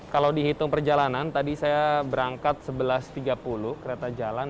kalau dihitung perjalanan tadi saya berangkat sebelas tiga puluh kereta jalan